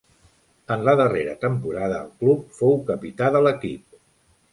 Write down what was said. En la darrera temporada al club fou capità de l'equip.